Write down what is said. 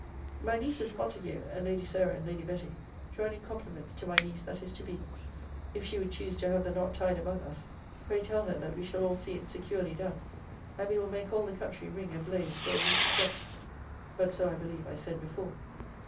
My nieces Montague, and Lady Sarah and Lady Betty, join in compliments to my niece that is to be. If she would choose to have the knot tied among us, pray tell her that we shall all see it securely done: and we will make all the country ring and blaze for a week together. But so I believe I said before.